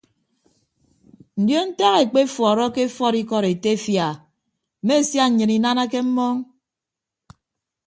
Ndion ntak ekpefuọrọke efuọd ikọd etefia a mme sia nnyịn inanake mmọọñ.